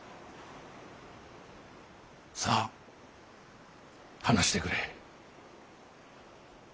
さあ話してくれ。